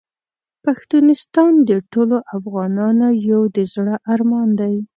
پښتونستان د ټولو افغانانو یو د زړه ارمان دی .